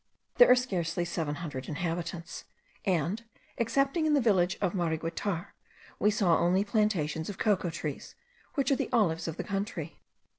There are scarcely seven hundred inhabitants: and, excepting in the village of Mariguitar, we saw only plantations of cocoa trees, which are the olives of the country.